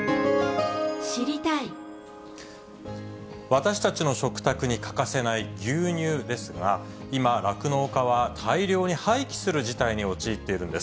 私たちの食卓に欠かせない牛乳ですが、今、酪農家は大量に廃棄する事態に陥っているんです。